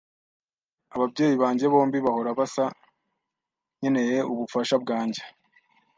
Ababyeyi banjye bombi bahora basa nkeneye ubufasha bwanjye